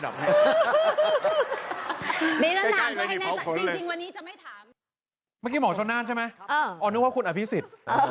เมื่อกี้หมอชนน่านใช่ไหมอ๋อนึกว่าคุณอภิษฎ